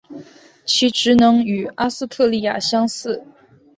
其职能与阿斯特莉亚相似。